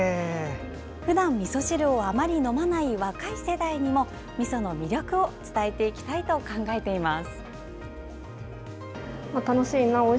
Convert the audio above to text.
普段みそ汁をあまり飲まない若い世代にもみその魅力を伝えていきたいと考えています。